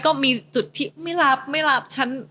ก็มีจุดที่ไม่รับไม่รับฉัน